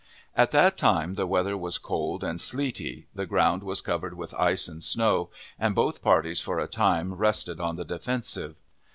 At that time the weather was cold and sleety, the ground was covered with ice and snow, and both parties for a time rested on the defensive.